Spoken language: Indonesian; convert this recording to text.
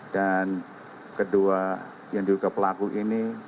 dan kedua yang diduga pelaku ini